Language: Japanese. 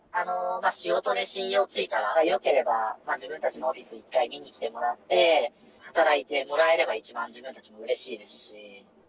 仕事で信用ついたら、よければ、自分たちのオフィス一回見に来てもらって、働いてもらえれば一番自分たちもうれしいですし。